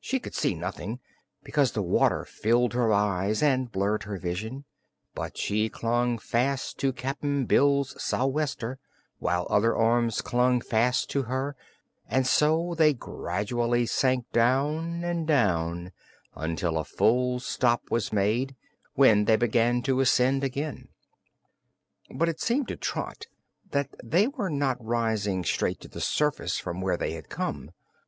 She could see nothing, because the water filled her eyes and blurred her vision, but she clung fast to Cap'n Bill's sou'wester, while other arms clung fast to her, and so they gradually sank down and down until a full stop was made, when they began to ascend again. But it seemed to Trot that they were not rising straight to the surface from where they had come.